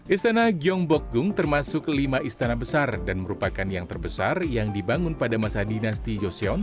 istana gyeongbokgung termasuk lima istana besar dan merupakan yang terbesar yang dibangun pada masa dinasti yoseon